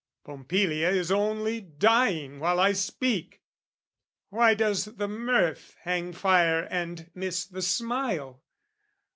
Pompilia is only dying while I speak! Why does the mirth hang fire and miss the smile?